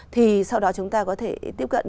thì sau đó chúng ta có thể tiếp cận